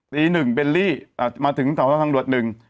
ตีหนึ่งเบลลี่มาถึงแถวทางด่วนหนึ่ง